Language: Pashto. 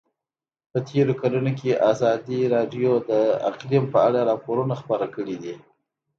په تېرو کلونو کې ازادي راډیو د اقلیم په اړه راپورونه خپاره کړي دي.